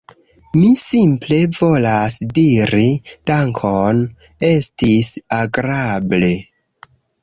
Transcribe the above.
Mi simple volas diri dankon, estis agrable!